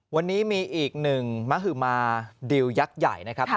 วันนี้มีอีกหนึ่งมหมาดิวยักษ์ใหญ่นะครับ